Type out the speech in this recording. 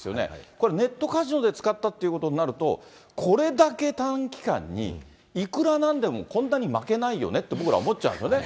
これネットカジノで使ったということになると、これだけ短期間に、いくらなんでも、こんなに負けないよねって、僕ら思っちゃうんですよね。